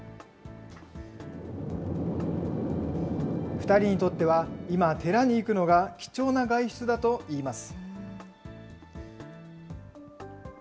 ２人にとっては今、寺に行くのが貴重な外出だといいます。